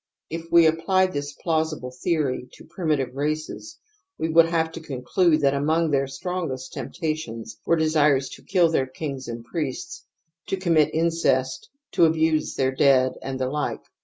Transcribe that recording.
If we applied this plausible theory to primitive races we would have to conclude that among their strongest temptations were desires to kill their kings and priests, to commit incest, to abuse their dead and the like.